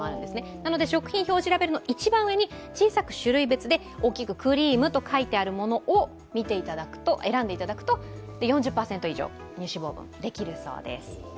なので食品表示ラベルの一番上に小さく種類別で大きく「クリーム」と書いてあるものを選んでいただくと、で、４０％以上、乳脂肪分できるそうです。